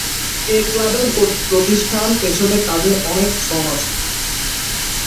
এ ক্লাবের প্রতিষ্ঠার পেছনে তাঁদের অনেক শ্রম আছে।